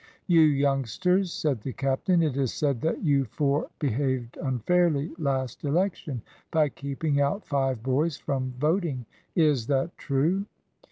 "You youngsters," said the captain, "it is said that you four behaved unfairly last election, by keeping out five boys from voting. Is that true?"